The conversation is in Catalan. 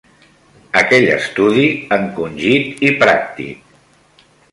Aquell estudi encongit i pràctic